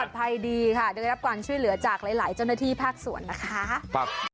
ภัยดีค่ะได้รับการช่วยเหลือจากหลายเจ้าหน้าที่ภาคส่วนนะคะ